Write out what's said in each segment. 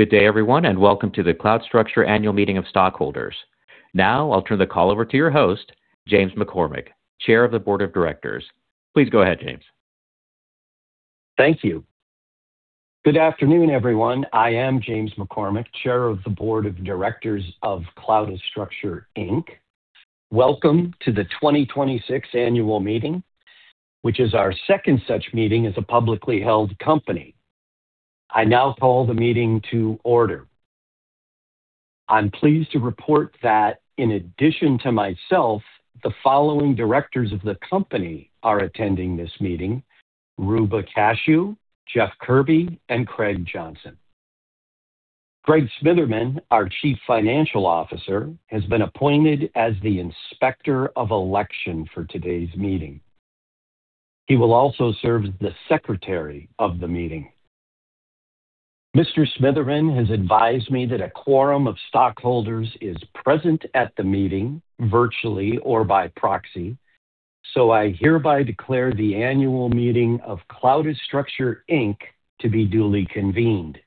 Good day everyone, welcome to the Cloudastructure annual meeting of stockholders. Now I'll turn the call over to your host, James McCormick, chair of the board of directors. Please go ahead, James. Thank you. Good afternoon, everyone. I am James McCormick, chair of the board of directors of Cloudastructure, Inc. Welcome to the 2026 annual meeting, which is our second such meeting as a publicly held company. I now call the meeting to order. I'm pleased to report that in addition to myself, the following directors of the company are attending this meeting: Ruba Qashu, Jeff Kirby, and Craig Johnson. Greg Smitherman, our chief financial officer, has been appointed as the inspector of election for today's meeting. He will also serve as the secretary of the meeting. Mr. Smitherman has advised me that a quorum of stockholders is present at the meeting virtually or by proxy, I hereby declare the annual meeting of Cloudastructure, Inc. to be duly convened.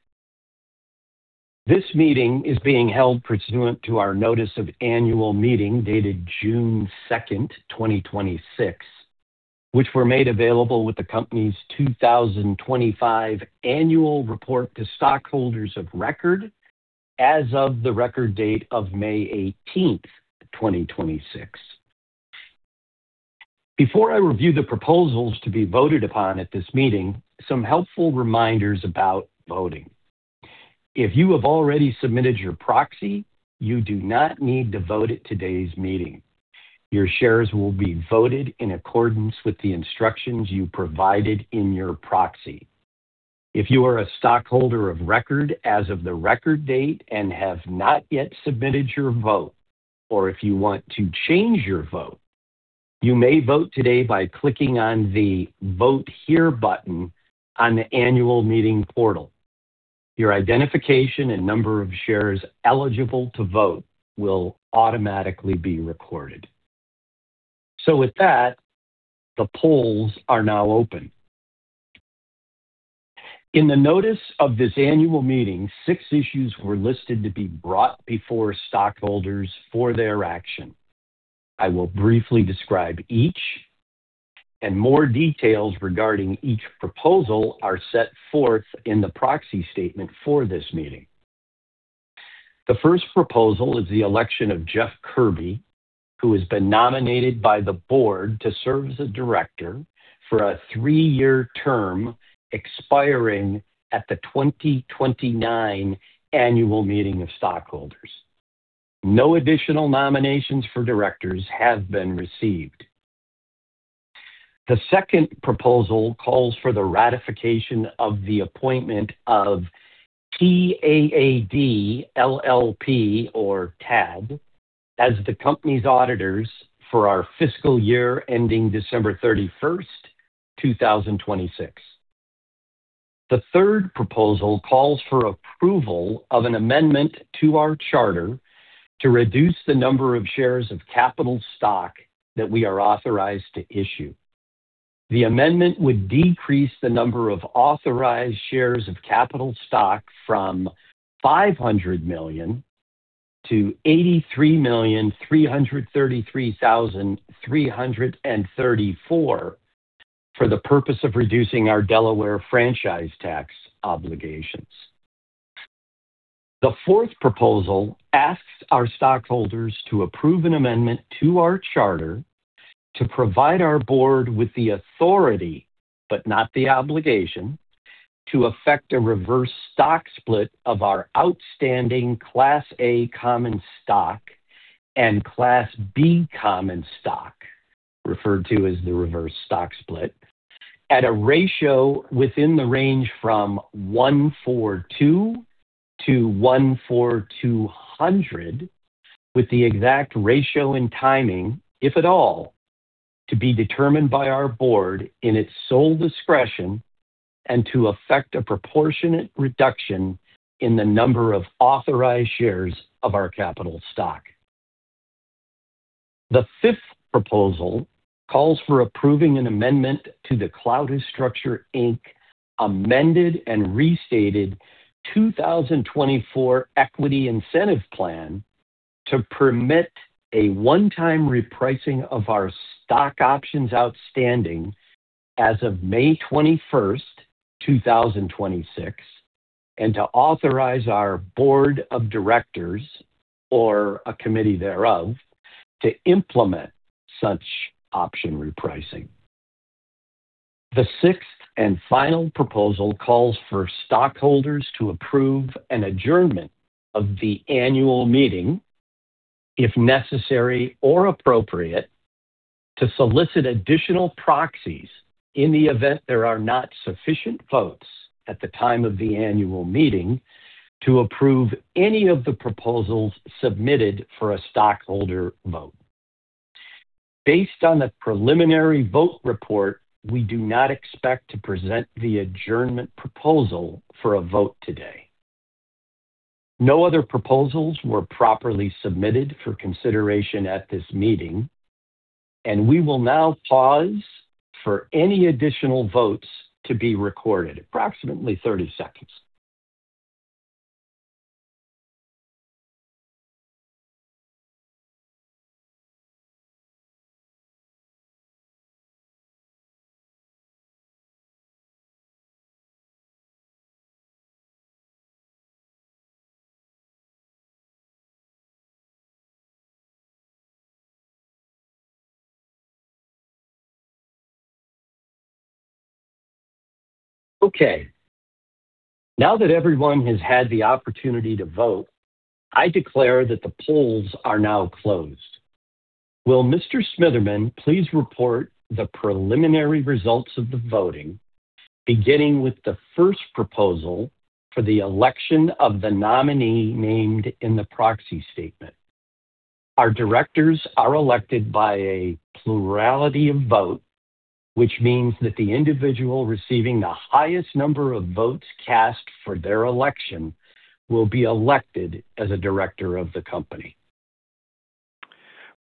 This meeting is being held pursuant to our notice of annual meeting dated June 2nd, 2026, which were made available with the company's 2025 annual report to stockholders of record as of the record date of May 18th, 2026. Before I review the proposals to be voted upon at this meeting, some helpful reminders about voting. If you have already submitted your proxy, you do not need to vote at today's meeting. Your shares will be voted in accordance with the instructions you provided in your proxy. If you are a stockholder of record as of the record date and have not yet submitted your vote, or if you want to change your vote, you may vote today by clicking on the Vote Here button on the annual meeting portal. Your identification and number of shares eligible to vote will automatically be recorded. With that, the polls are now open. In the notice of this annual meeting, six issues were listed to be brought before stockholders for their action. I will briefly describe each, more details regarding each proposal are set forth in the proxy statement for this meeting. The first proposal is the election of Jeff Kirby, who has been nominated by the board to serve as a director for a three-year term expiring at the 2029 annual meeting of stockholders. No additional nominations for directors have been received. The second proposal calls for the ratification of the appointment of TAAD LLP or TAAD as the company's auditors for our fiscal year ending December 31st, 2026. The third proposal calls for approval of an amendment to our charter to reduce the number of shares of capital stock that we are authorized to issue. The amendment would decrease the number of authorized shares of capital stock from 500,000,000 to 83,333,334 for the purpose of reducing our Delaware franchise tax obligations. The fourth proposal asks our stockholders to approve an amendment to our charter to provide our board with the authority, but not the obligation, to effect a reverse stock split of our outstanding Class A common stock and Class B common stock, referred to as the reverse stock split, at a ratio within the range from one for two to one for 200, with the exact ratio and timing, if at all, to be determined by our board in its sole discretion and to effect a proportionate reduction in the number of authorized shares of our capital stock. The fifth proposal calls for approving an amendment to the Cloudastructure, Inc. amended and restated 2024 equity incentive plan to permit a one-time repricing of our stock options outstanding as of May 21st, 2026, and to authorize our board of directors or a committee thereof to implement such option repricing. The sixth and final proposal calls for stockholders to approve an adjournment of the annual meeting, if necessary or appropriate, to solicit additional proxies in the event there are not sufficient votes at the time of the annual meeting to approve any of the proposals submitted for a stockholder vote. Based on the preliminary vote report, we do not expect to present the adjournment proposal for a vote today. No other proposals were properly submitted for consideration at this meeting. We will now pause for any additional votes to be recorded approximately 30 seconds. Okay. Now that everyone has had the opportunity to vote, I declare that the polls are now closed. Will Mr. Smitherman please report the preliminary results of the voting, beginning with the first proposal for the election of the nominee named in the proxy statement? Our directors are elected by a plurality of votes, which means that the individual receiving the highest number of votes cast for their election will be elected as a director of the company.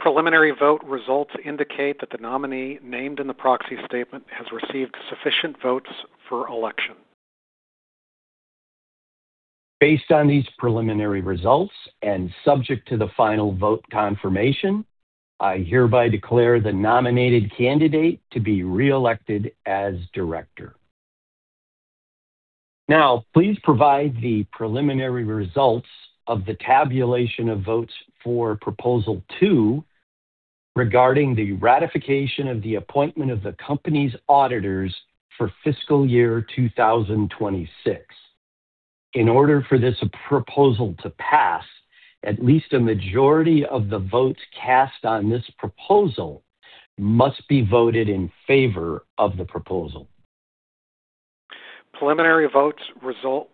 Preliminary vote results indicate that the nominee named in the proxy statement has received sufficient votes for election. Based on these preliminary results and subject to the final vote confirmation, I hereby declare the nominated candidate to be reelected as director. Please provide the preliminary results of the tabulation of votes for proposal two, regarding the ratification of the appointment of the company's auditors for fiscal year 2026. In order for this proposal to pass, at least a majority of the votes cast on this proposal must be voted in favor of the proposal. Preliminary vote results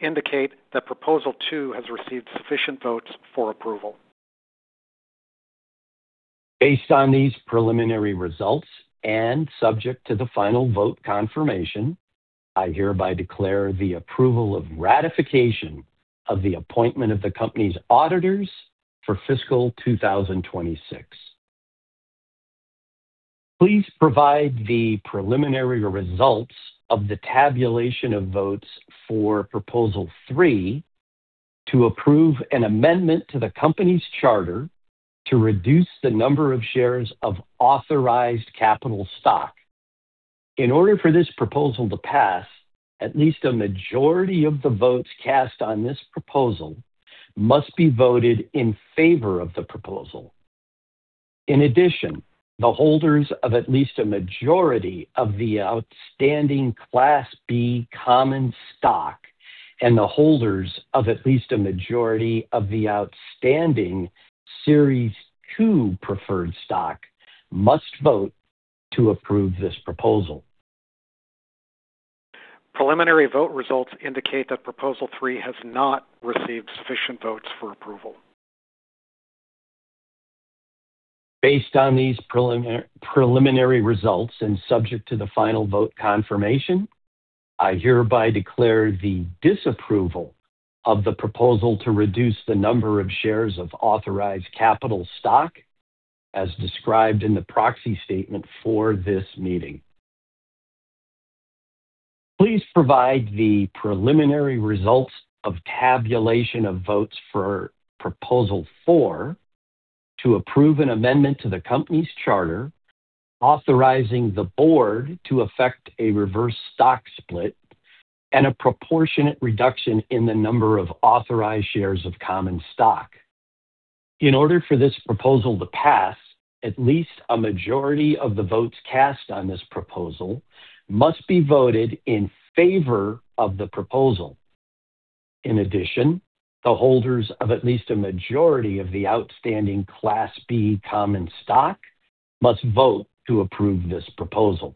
indicate that proposal two has received sufficient votes for approval. Based on these preliminary results, and subject to the final vote confirmation, I hereby declare the approval of ratification of the appointment of the company's auditors for fiscal 2026. Please provide the preliminary results of the tabulation of votes for proposal three to approve an amendment to the company's charter to reduce the number of shares of authorized capital stock. In order for this proposal to pass, at least a majority of the votes cast on this proposal must be voted in favor of the proposal. In addition, the holders of at least a majority of the outstanding Class B common stock and the holders of at least a majority of the outstanding series two preferred stock must vote to approve this proposal. Preliminary vote results indicate that proposal three has not received sufficient votes for approval. Based on these preliminary results and subject to the final vote confirmation, I hereby declare the disapproval of the proposal to reduce the number of shares of authorized capital stock as described in the proxy statement for this meeting. Please provide the preliminary results of tabulation of votes for proposal four to approve an amendment to the company's charter, authorizing the board to effect a reverse stock split and a proportionate reduction in the number of authorized shares of common stock. In order for this proposal to pass, at least a majority of the votes cast on this proposal must be voted in favor of the proposal. In addition, the holders of at least a majority of the outstanding Class B common stock must vote to approve this proposal.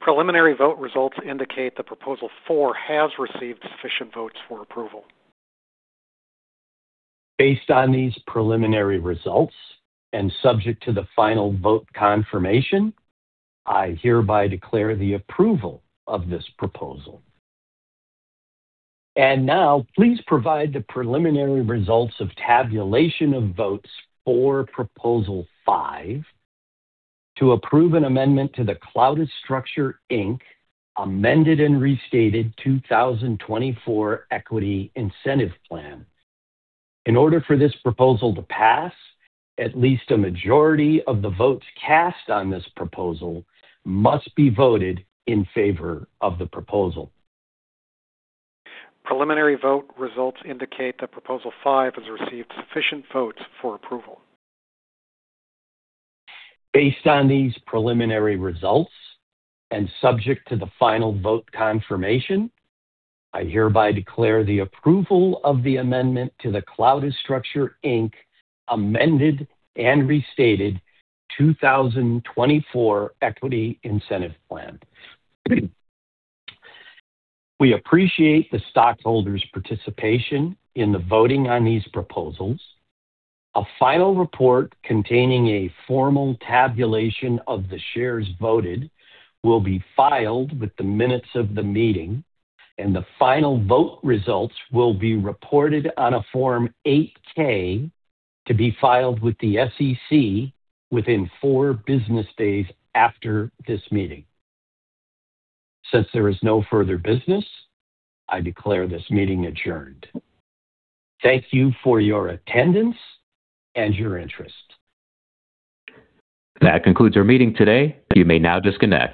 Preliminary vote results indicate that proposal four has received sufficient votes for approval. Based on these preliminary results and subject to the final vote confirmation, I hereby declare the approval of this proposal. Now, please provide the preliminary results of tabulation of votes for proposal five to approve an amendment to the Cloudastructure Inc., amended and restated 2024 equity incentive plan. In order for this proposal to pass, at least a majority of the votes cast on this proposal must be voted in favor of the proposal. Preliminary vote results indicate that proposal five has received sufficient votes for approval. Based on these preliminary results and subject to the final vote confirmation, I hereby declare the approval of the amendment to the Cloudastructure, Inc., amended and restated 2024 equity incentive plan. We appreciate the stockholders' participation in the voting on these proposals. A final report containing a formal tabulation of the shares voted will be filed with the minutes of the meeting, and the final vote results will be reported on a Form 8-K to be filed with the SEC within four business days after this meeting. Since there is no further business, I declare this meeting adjourned. Thank you for your attendance and your interest. That concludes our meeting today. You may now disconnect.